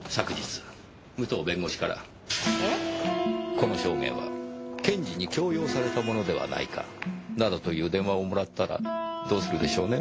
この証言は検事に強要されたものではないかなどという電話をもらったらどうするでしょうねぇ。